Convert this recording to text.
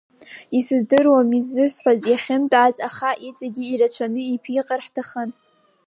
Исыздыруам изызҳәаз, иахьынтәаауаз, аха иҵегьы ирацәаны иԥиҟар ҳҭахын.